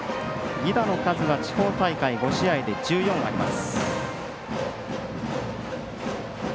犠打の数は地方大会５試合で１４あります。